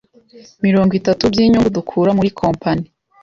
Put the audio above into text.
mirongo itatu by’inyungu dukura muri compani